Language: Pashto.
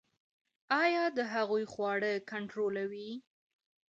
ایا د هغوی خواړه کنټرولوئ؟